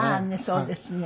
そうですね。